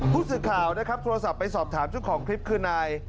ผู้สื่อข่าวนะครับโทรศัพท์ไปสอบถามเจ้าของคลิปคือนาย